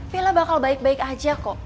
villa bakal baik baik aja kok